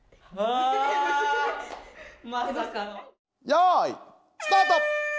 よいスタート！